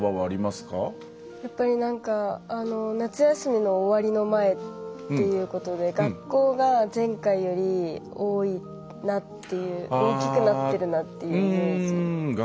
やっぱりなんか夏休みの終わりの前っていうことで「学校」が前回より多いなっていう大きくなってるなっていうイメージ。